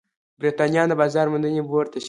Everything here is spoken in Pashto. برېټانویانو د بازار موندنې بورډ تشکیل کړ.